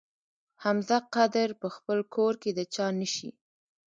حمزه قدر په خپل کور کې د چا نه شي.